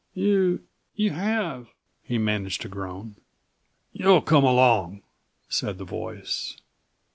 "You—you have," he managed to groan. "You'll come along," said the voice.